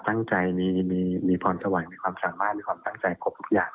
ตั้งใจมีพรสวรรค์มีความสามารถมีความตั้งใจครบทุกอย่าง